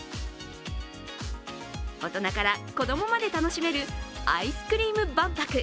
大人から子供まで楽しめるアイスクリーム万博。